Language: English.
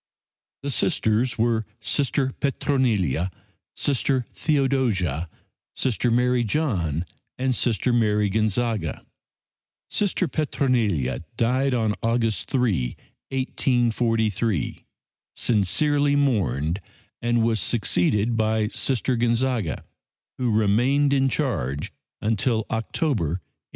The Sisters were Sister Petronilla, Sister Theodosia, Sister Mary John and Sister Mary Gonzaga. Sister Petronilla died on August 3, 1843, sincerely mourned, and was succeeded by Sister Gonzaga, who remained in charge until October, 1844.